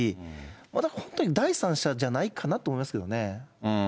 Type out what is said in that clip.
また本当に第三者じゃないかなと思いますけどね。